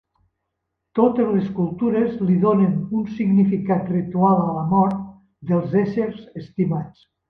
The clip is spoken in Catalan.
Totes les cultures li donen un significat ritual a la mort dels éssers estimats.